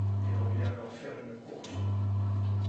Il revient alors faire une course.